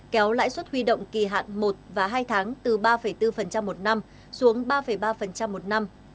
kéo lãi suất huy động kỳ hạn một và hai tháng từ ba bốn một năm xuống ba ba một năm